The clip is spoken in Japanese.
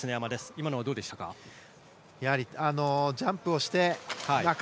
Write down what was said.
今はどうでしたか。